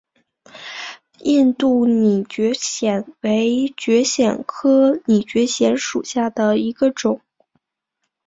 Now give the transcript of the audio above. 印度拟蕨藓为蕨藓科拟蕨藓属下的一个种。